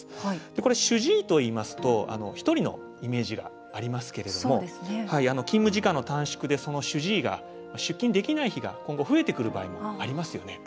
これ、主治医といいますと１人のイメージがありますけども勤務時間の短縮で、その主治医が出勤できない日が今後、増えてくる場合もありますよね。